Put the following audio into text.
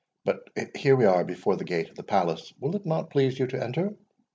—But here we are before the gate of the Palace; will it not please you to enter?"